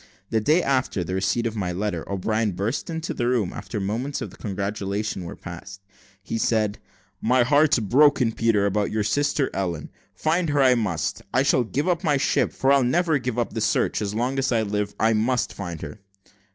The day after the receipt of my letter, O'Brien burst into the room. After the first moments of congratulation were past, he said, "My heart's broke, Peter, about your sister Ellen: find her I must. I shall give up my ship, for I'll never give up the search as long as I live. I must find her."